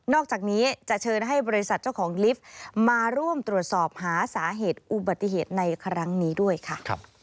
อกจากนี้จะเชิญให้บริษัทเจ้าของลิฟต์มาร่วมตรวจสอบหาสาเหตุอุบัติเหตุในครั้งนี้ด้วยค่ะ